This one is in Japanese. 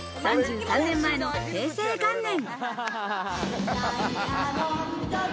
３３年前の平成元年。